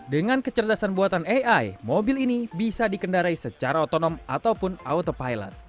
dengan kecerdasan buatan ai mobil ini bisa dikendarai secara otonom ataupun autopilot